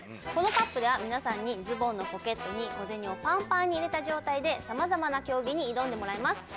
このＣＵＰでは皆さんにズボンのポケットに小銭をパンパンに入れた状態でさまざまな競技に挑んでもらいます。